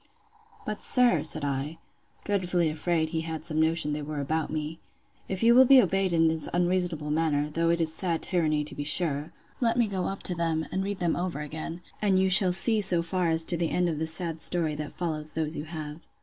But, sir, said I, (dreadfully afraid he had some notion they were about me,) if you will be obeyed in this unreasonable manner, though it is sad tyranny, to be sure!—let me go up to them, and read them over again, and you shall see so far as to the end of the sad story that follows those you have.